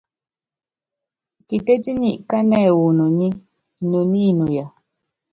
Kitétí nyi kánɛ wu inoní, inoní inuya.